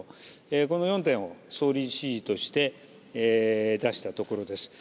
この４点を総理指示として出したところです。